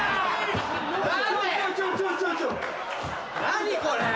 何これ！？